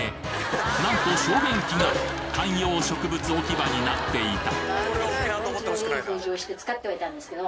なんと小便器が観葉植物置き場になっていた！